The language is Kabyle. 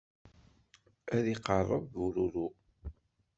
ad d-iqerreb bururu.